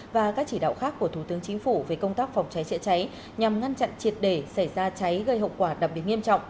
và các chỉ đạo khác của thủ tướng chính phủ về công tác phòng cháy chữa cháy nhằm ngăn chặn triệt để xảy ra cháy gây hậu quả đặc biệt nghiêm trọng